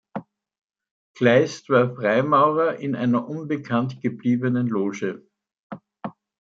Kleist war Freimaurer in einer unbekannt gebliebenen Loge.